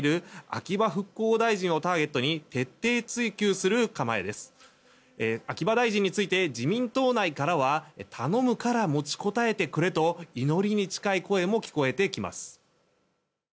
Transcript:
秋葉大臣について自民党内からは頼むから持ちこたえてくれと祈りに近い声も聞こえてきます。